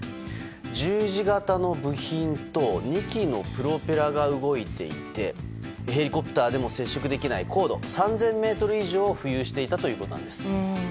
十字型の部品と２基のプロペラが動いていてヘリコプターでも接触できない高度３０００ｍ以上を浮遊していたということです。